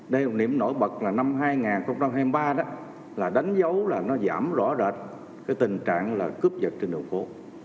đây là một niệm nổi bật là năm hai nghìn hai mươi ba đó là đánh dấu là nó giảm rõ rệt cái tình trạng là cướp giật trên đường phố